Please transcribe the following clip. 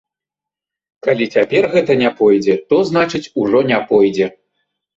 Калі цяпер гэта не пойдзе, то, значыць, ужо не пойдзе.